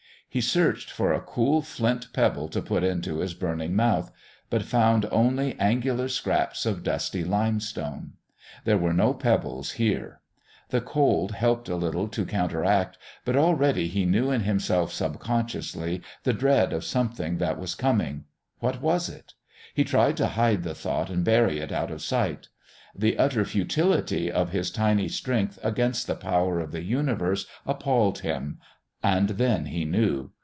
He searched for a cool flint pebble to put into his burning mouth, but found only angular scraps of dusty limestone. There were no pebbles here. The cold helped a little to counteract, but already he knew in himself subconsciously the dread of something that was coming. What was it? He tried to hide the thought and bury it out of sight. The utter futility of his tiny strength against the power of the universe appalled him. And then he knew.